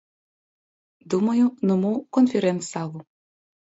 Думаю, ну мо ў канферэнц-залу.